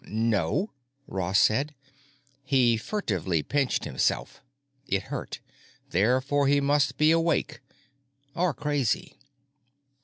"No," Ross said. He furtively pinched himself. It hurt. Therefore he must be awake. Or crazy.